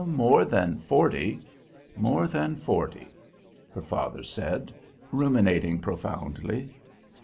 "More than forty; more than forty," her father said, ruminating profoundly.